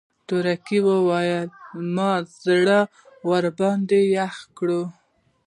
تورکى وايي مام زړه ورباندې يخ کړ.